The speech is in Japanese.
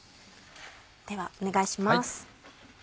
ではお願いします。